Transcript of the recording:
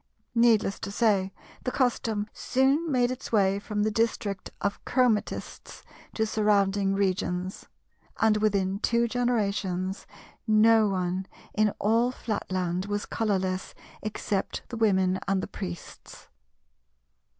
Needless to say, the custom soon made its way from the district of Chromatistes to surrounding regions; and within two generations no one in all Flatland was colourless except the Women and the Priests.